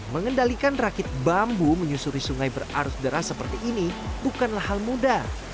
mengendalikan rakit bambu menyusuri sungai berarus deras seperti ini bukanlah hal mudah